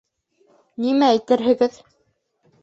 — Нимә әйтерһегеҙ?